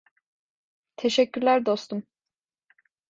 Teşekkürler dostum.